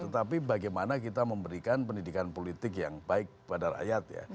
tetapi bagaimana kita memberikan pendidikan politik yang baik pada rakyat ya